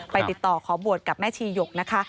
ติดต่อขอบวชกับแม่ชีหยกนะคะ